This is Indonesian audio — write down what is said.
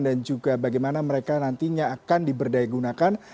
dan juga bagaimana mereka nantinya akan diberdaya gunakan